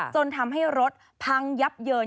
จนทำให้รถพังยับเยิน